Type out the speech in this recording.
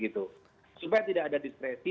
supaya tidak ada diskresi